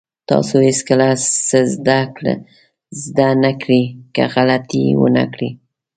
تاسو هېڅکله څه زده نه کړئ که غلطي ونه کړئ.